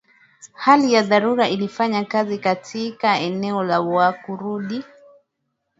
hali ya dharura ilifanya kazi katika eneo la Wakurdi